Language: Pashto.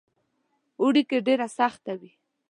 اوړي کې ډېره سخته وي.